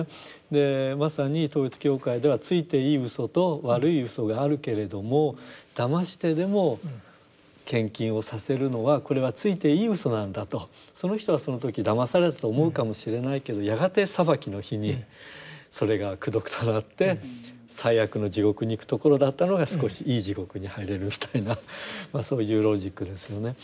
でまさに統一教会ではついていい嘘と悪い嘘があるけれどもだましてでも献金をさせるのはこれはついていい嘘なんだとその人はその時だまされたと思うかもしれないけどやがて裁きの日にそれが功徳となって最悪の地獄に行くところだったのが少しいい地獄に入れるみたいなそういうロジックですよね。